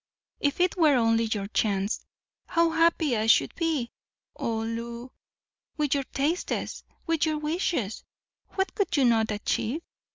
"If it were only your chance, how happy I should be! Oh, Lew, with your tastes, with your wishes, what could you not achieve?